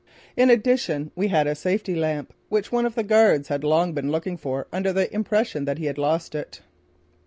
In addition we had a safety lamp, which one of the guards had long been looking for under the impression that he had lost it.